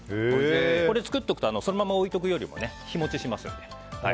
これを作っておくとそのまま置いておくよりも日持ちしますので。